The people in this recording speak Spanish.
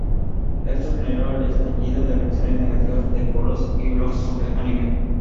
Esto, generó el estallido de reacciones negativas en foros y blogs sobre anime.